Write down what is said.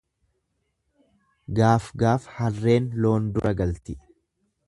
Gaaf gaaf harreen loon dura galti.